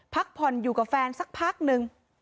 พักผ่อนอยู่กับแฟนสักพักนึง